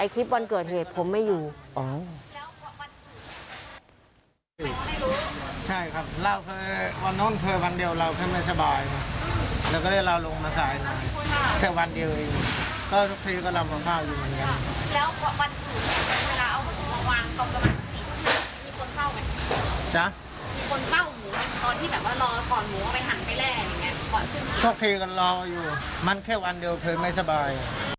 เขาเคยมันรออยู่มันแค่วันเดียวเขยไม่สบาย